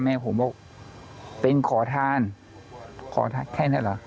แม่ผมบอกเป็นขอทานขอทานแค่นี้เหรอ